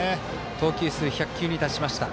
投球数１００球に達しました。